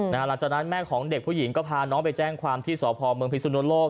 หลังจากนั้นแม่ของเด็กผู้หญิงก็พาน้องไปแจ้งความที่สพเมืองพิสุนโลก